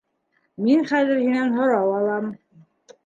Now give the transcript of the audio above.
Мин хәҙер һинән һорау алам.